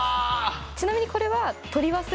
「ちなみにこれは」